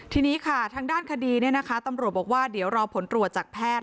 ทีนี้ค่ะทางด้านคดีตำรวจบอกว่าเดี๋ยวรอผลตรวจจากแพทย์